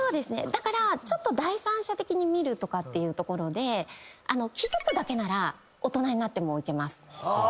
だからちょっと第三者的に見るとかっていうところで気付くだけなら大人になってもいけます。